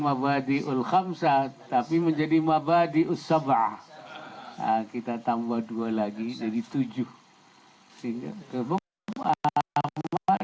mabadi ulkamsat tapi menjadi mabadi usabah kita tambah dua lagi jadi tujuh sehingga